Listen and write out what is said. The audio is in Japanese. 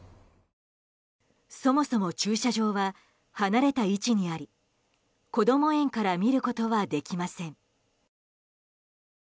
そもそも駐車場は離れた位置にありこども園から見ることはできません。